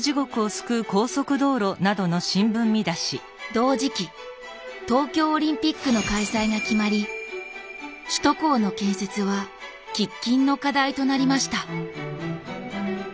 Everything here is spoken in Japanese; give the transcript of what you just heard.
同時期東京オリンピックの開催が決まり首都高の建設は喫緊の課題となりました。